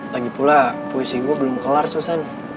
lagipula puisi gue belum kelar susan